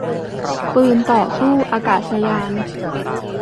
ปืนต่อสู้อากาศยาน